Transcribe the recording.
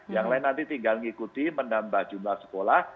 yang lain nanti tinggal ngikuti menambah jumlah sekolah